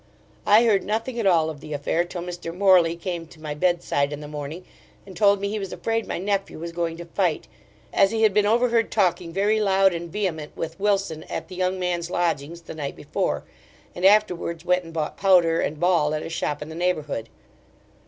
I heard nothing at all of the affair, till Mr Morley came to my bed side in the morning, and told me he was afraid my nephew was going to fight, as he had been overheard talking very loud and vehement with Wilson at the young man's lodgings the night before, and afterwards went and bought powder and ball at a shop in the neighbourhood.